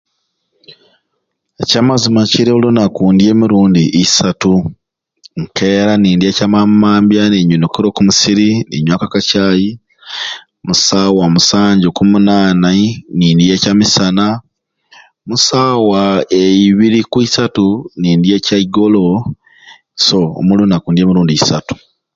Ekyamazima kiri olunaku ndya emirundi isatu, nkeera nindya ekyamamambya nga nyinukire oku musiri ninywakubaka caayi, saawa musanju ku munanai nindya ekyamisana, oku saawa ibiri kw'isatu nindya ekyaigolo, so olunaku ndya emirundi isatu